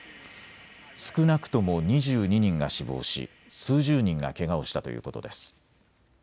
少なくとも２２人が死亡し数十人がけがをしたということです。